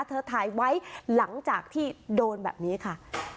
ถ่ายไว้หลังจากที่โดนแบบนี้ค่ะ